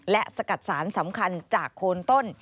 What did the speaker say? และสกัดสารสำคัญจากโคนต้น